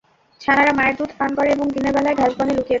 ছানারা মায়ের দুধ পান করে এবং দিনের বেলায় ঘাসবনে লুকিয়ে থাকে।